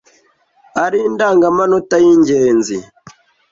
ari indangamanota y’ingenzi